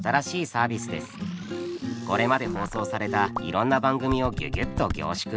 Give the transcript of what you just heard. これまで放送されたいろんな番組をギュギュッと凝縮。